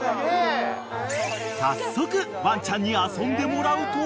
［早速ワンちゃんに遊んでもらうと］